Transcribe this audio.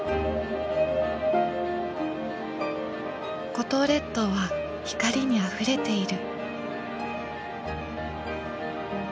五島列島は光にあふれている。